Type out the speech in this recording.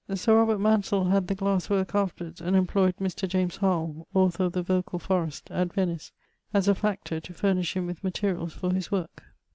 Sir Robert Mansell had the glasse worke afterwards, and employed Mr. James Howell (author of The Vocall Forest) at Venice as a factor to furnish him with materialls for his worke.